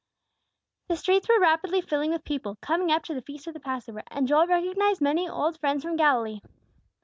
The streets were rapidly filling with people, coming up to the Feast of the Passover, and Joel recognized many old friends from Galilee.